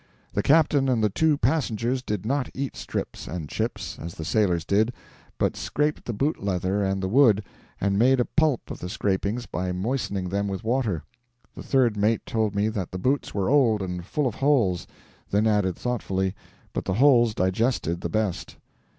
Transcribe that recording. The captain and the two passengers did not eat strips and chips, as the sailors did, but scraped the boot leather and the wood, and made a pulp of the scrapings by moistening them with water. The third mate told me that the boots were old and full of holes; then added thoughtfully, 'but the holes digested the best.'